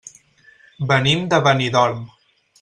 Venim de Benidorm.